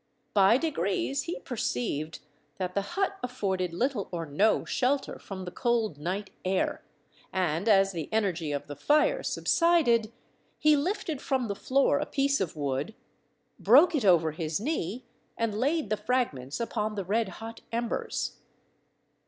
By degrees he perceived that the hut afforded little or no shelter from the cold night air, and as the energy of the fire subsided he lifted from the floor a piece of wood, broke it over his knee, and laid the fragments upon the red–hot embers.